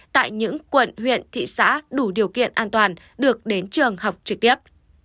tại những quận huyện thị xã đủ điều kiện an toàn được đến trường học trực tiếp